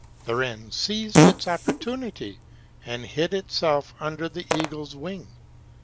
The wren seized its opportunity and hid itself under the eagle's wing.